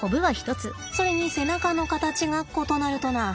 それに背中の形が異なるとな。